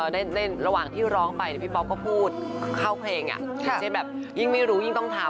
ในระหว่างที่ร้องไปพี่ป๊อปก็พูดเข้าเพลงอย่างเช่นแบบยิ่งไม่รู้ยิ่งต้องทำ